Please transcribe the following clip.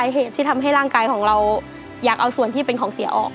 เหตุที่ทำให้ร่างกายของเราอยากเอาส่วนที่เป็นของเสียออก